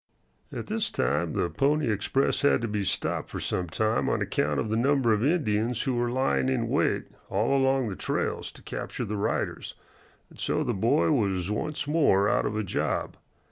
At this time the Pony Express had to be stopped for some time on account of the number of Indians who were lying in wait all along the trails to capture the riders, and so the boy was once more out of a job.